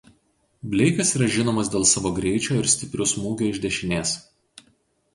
Bleikas yra žinomas dėl savo greičio ir stiprių smūgių iš dešinės.